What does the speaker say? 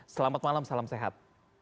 selamat malam salam sehat